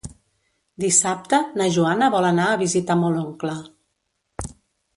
Dissabte na Joana vol anar a visitar mon oncle.